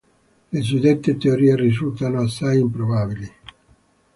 Le suddette teorie risultano assai improbabili.